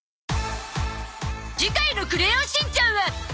次回の『クレヨンしんちゃん』は